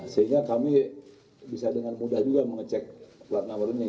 sehingga kami bisa dengan mudah juga mengecek plat nomornya